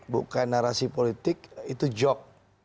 bukan narasi politik itu job